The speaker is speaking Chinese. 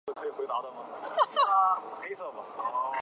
佐吉有空时也会去尾张附近的工业区。